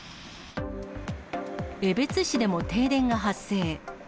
江別市でも停電が発生。